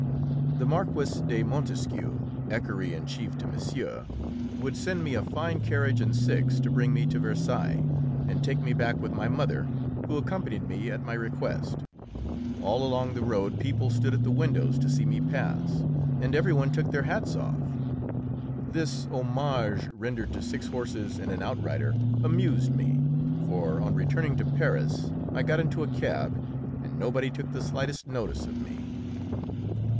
The Marquis de Montesquiou, equerry in chief to Monsieur, would send me a fine carriage and six to bring me to Versailles and take me back with my mother, who accompanied me at my request. All along the road people stood at the windows to see me pass, and every one took their hats off. This homage rendered to six horses and an outrider amused me, for on returning to Paris I got into a cab, and nobody took the slightest notice of me.